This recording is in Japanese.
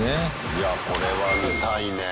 いやこれは見たいねぇ。